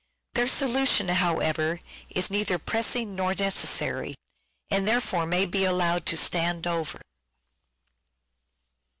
Their solution, however, is neither pressing nor necessary, and therefore may be allowed to stand over.